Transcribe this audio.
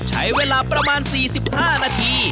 ใช้เวลาประมาณ๔๕นาที